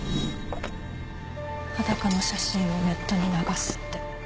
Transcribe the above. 裸の写真をネットに流すって。